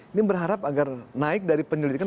ini berharap agar naik dari penyelidikan